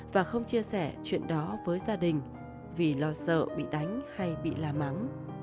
và không chia sẻ chuyện đó với gia đình vì lo sợ bị đánh hay bị la mắng